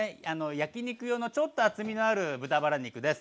焼き肉用のちょっと厚みのある豚バラ肉です。